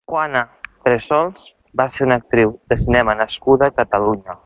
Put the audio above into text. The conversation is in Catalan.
Juana Tressols va ser una actriu de cinema nascuda a Catalunya.